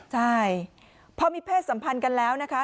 ใช่พอมีเพศสัมพันธ์กันแล้วนะคะ